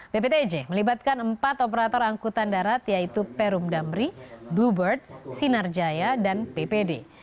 bptj melibatkan empat operator angkutan darat yaitu perum damri bluebird sinarjaya dan ppd